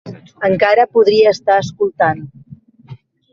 Encara podria estar escoltant.